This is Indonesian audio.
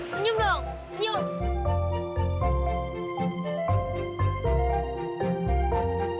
senyum dong senyum